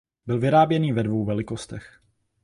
Byl vyráběný ve dvou velikostech.